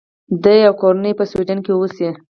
دی او کورنۍ یې په سویډن کې اوسي.